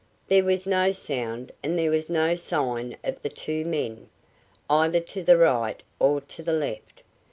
There was no sound and there was no sign of the two men, either to the right or to the left.